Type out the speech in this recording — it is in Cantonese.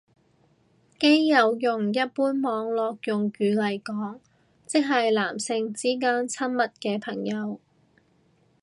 基友用一般網絡用語嚟講即係男性之間親密嘅朋友